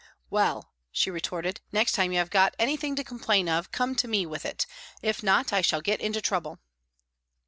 " Well," she re torted, " next time you have anything to complain of come to me with it if not I shall get into trouble."